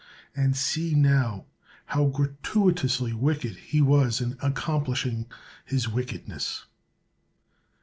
And see, now, how gratuitously wicked he was in accomplishing his wickedness.